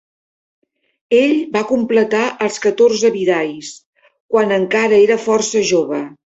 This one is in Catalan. Ell va completar els catorze Vidyas quan encara era força jove.